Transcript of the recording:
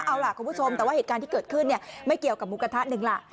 เอาล่ะคุณผู้ชมแต่ว่าเหตุการณ์ที่เกิดขึ้นไม่เกี่ยวกับหมูกระทะหนึ่งล่ะ